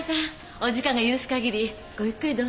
お時間が許すかぎりごゆっくりどうぞ。